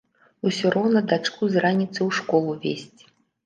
Усё роўна дачку з раніцы ў школу весці.